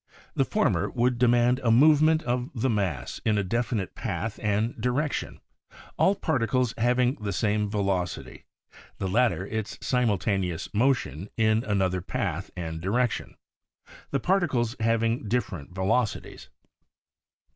The for mer would demand a movement of the mass in a definite path and direction, all particles having the same velocity, the latter its simul taneous motion in another path and direc tion, the particles having different velocities.